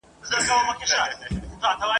له کلونو یې پر څنډو اوسېدلی ..